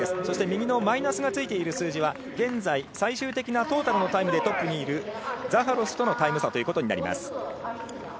そして右のマイナスがついている数字は現在最終的なトータルのタイムでトップにいるザハロフとのタイム差です。